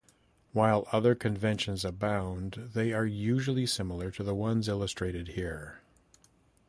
While other conventions abound, they are usually similar to the ones illustrated here.